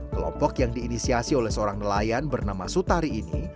kelompok yang diinisiasi oleh seorang nelayan bernama sutari ini